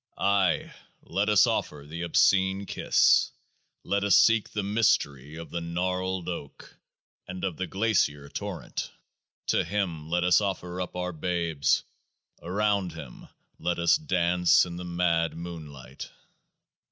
Ay ! let us offer the Obscene Kiss ! Let us seek the Mystery of the Gnarled Oak, and of the Glacier Torrent ! To Him let us offer up our babes ! Around Him let us dance in the mad moonlight